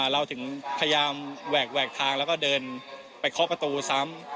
เราถึงพยายามแหวกทางแล้วก็เดินไปเคาะประตูซ้ำ